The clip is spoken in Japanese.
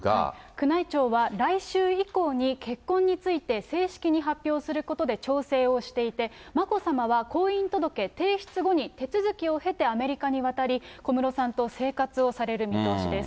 宮内庁は来週以降に結婚について、正式に発表することで調整をしていて、眞子さまは婚姻届提出後に手続きを経てアメリカに渡り、小室さんと生活をされる見通しです。